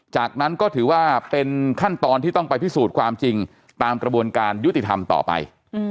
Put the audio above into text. จากนั้นก็ถือว่าเป็นขั้นตอนที่ต้องไปพิสูจน์ความจริงตามกระบวนการยุติธรรมต่อไป